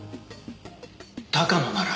高野なら。